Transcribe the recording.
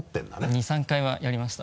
２３回はやりました。